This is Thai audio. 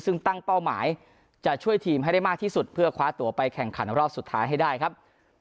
ซึ่งตั้งเป้าหมายจะช่วยทีมให้ได้มากที่สุดเพื่อคว้าตัวไปแข่งขันรอบสุดท้ายให้ได้ครับ